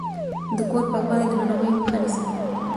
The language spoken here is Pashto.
د کور پاکوالی د ناروغیو مخه نیسي۔